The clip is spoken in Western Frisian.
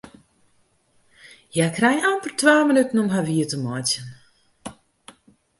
Hja krije amper twa minuten om har wier te meitsjen.